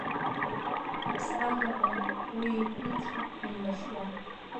Аԥсра ныҟәон, уи еиқәыцәо, имлашьуа…